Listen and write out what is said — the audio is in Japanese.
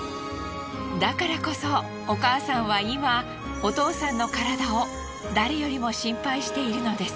だからこそお母さんは今お父さんの体を誰よりも心配しているのです。